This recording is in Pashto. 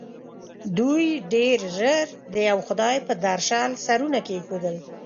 دوی ډېر ژر د یوه خدای پر درشل سرونه کېښول.